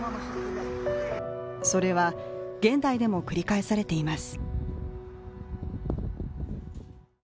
それは、現代でも繰り返されています。